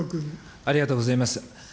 ありがとうございます。